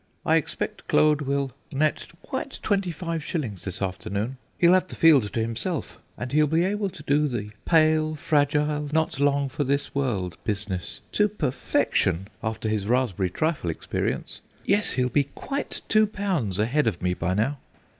I expect Claude will net quite twenty five shillings this afternoon; he'll have the field to himself, and he'll be able to do the pale, fragile, not long for this world business to perfection after his raspberry trifle experience. Yes, he'll be quite two pounds ahead of me by now."